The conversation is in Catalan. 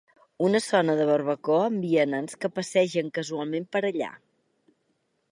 Una zona de barbacoa amb vianants que passegen casualment per allà.